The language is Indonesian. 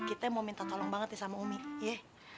kita mau minta tolong banget nih sama umi ye